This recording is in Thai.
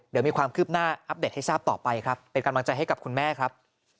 เดี๋ยวมีความคืบหน้าอัปเดตให้ทราบต่อไปครับเป็นกำลังใจให้กับคุณแม่ครับ